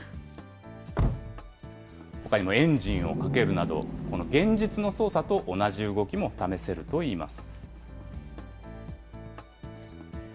ほかにもエンジンをかけるなど、この現実の操作と同じ動きも試せるといいます。